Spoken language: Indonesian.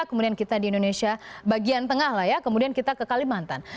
kemudian kita di indonesia bagian tengah lah ya kemudian kita ke kalimantan